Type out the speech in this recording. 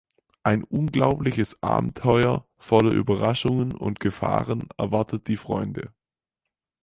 Ein unglaubliches Abenteuer voller Überraschungen und Gefahren erwartet die Freunde.